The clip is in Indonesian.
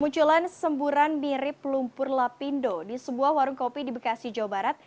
munculan semburan mirip lumpur lapindo di sebuah warung kopi di bekasi jawa barat